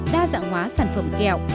đa dạng hóa sản phẩm kẹo